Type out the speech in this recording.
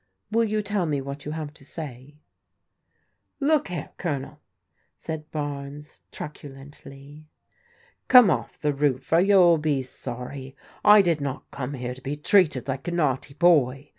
Will you tell me what you have to say ?"" Look here, Colonel," said Barnes truculently, " come off the roof or you'll be sorry. I did not come here to be treated like a naughty boy.